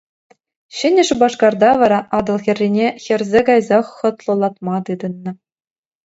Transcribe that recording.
Ҫӗнӗ Шупашкарта вара Атӑл хӗррине хӗрсе кайсах хӑтлӑлатма тытӑннӑ.